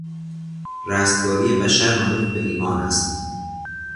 رستگاری بشر منوط به ایمان است.